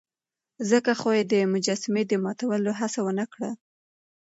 ځکه خو يې د مجسمې د ماتولو هڅه ونه کړه.